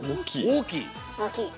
大きい。